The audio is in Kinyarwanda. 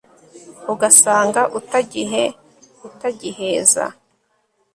ugasanga utagiheutagiheza